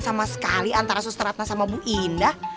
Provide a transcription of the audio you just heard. sama sekali antara susteratna sama bu indah